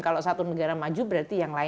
kalau satu negara maju berarti yang lain